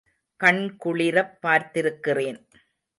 கண் குளிரப் பார்த்திருக்கிறேன்.